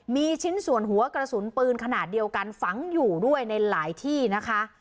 มีชิ้นส่วนหัวกระสุนปืนขนาดเดียวกันฝังอยู่ด้วยในหลายที่นะคะ